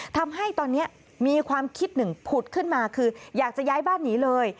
ทำให้ตอนนี้มีความคิดหนึ่งผุดขึ้นมาคืออยากจะย้ายบ้านหนีเลย